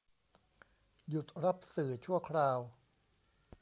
หยุดรับสื่อชั่วคราว